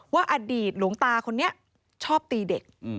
อดีตหลวงตาคนนี้ชอบตีเด็ก